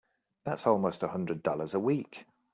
That's almost a hundred dollars a week!